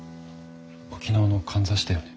沖縄のかんざしだよね。